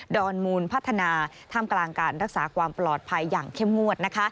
อนมูลพัฒนาท่ามกลางการรักษาความปลอดภัยอย่างเข้มงวด